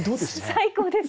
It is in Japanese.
最高です。